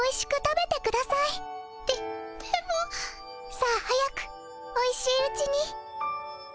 さあ早くおいしいうちに。